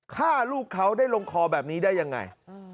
ฆ่าลูกเขาได้ลงคอแบบนี้ได้ยังไง